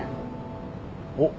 おっ？